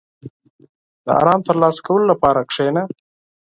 • د آرام ترلاسه کولو لپاره کښېنه.